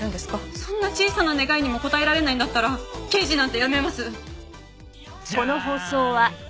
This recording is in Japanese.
そんな小さな願いにも応えられないんだったら刑事なんて辞めます！